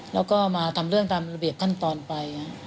แล้วก็มาทำเรื่องตามระเบียบขั้นตอนไป